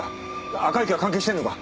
赤池は関係してるのか？